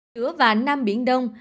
giữa và nam biển đông